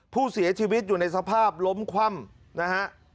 ผู้เสียชีวิตอยู่ในสภาพล้มคว่ำนะฮะ